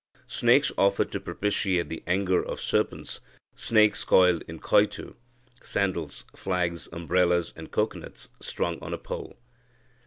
snakes offered to propitiate the anger of serpents, snakes coiled in coitu, sandals, flags, umbrellas, and cocoanuts strung on a pole.